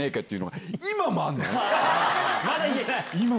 まだ言えない？